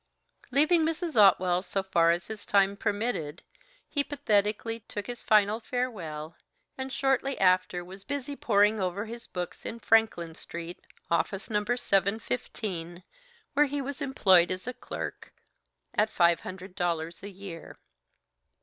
Leaving Mrs. Otwell so far as his time permitted, he pathetically took his final farewell, and shortly after was busy pouring over his books in Franklin Street, office No. 715, where he was employed as a clerk at five hundred dollars a year.